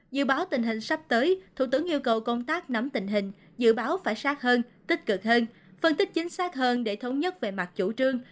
dự báo tình hình sắp tới thủ tướng yêu cầu công tác nắm tình hình dự báo phải sát hơn tích cực hơn phân tích chính xác hơn để thống nhất về mặt chủ trương